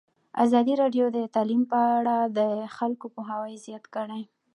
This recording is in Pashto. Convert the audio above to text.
ازادي راډیو د تعلیم په اړه د خلکو پوهاوی زیات کړی.